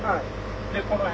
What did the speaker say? でこの辺。